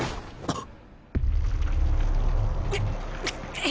あっ！